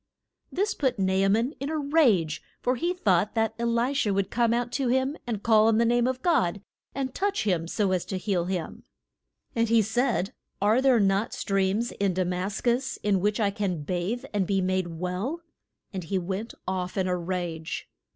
This put Na a man in a rage, for he thought that E li sha would come out to him and call on the name of God, and touch him so as to heal him. And he said, Are there not streams in Da mas cus in which I can bathe and be made well? And he went off in a rage.